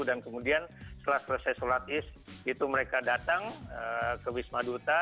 dan kemudian setelah selesai sholat id itu mereka datang ke bismaduta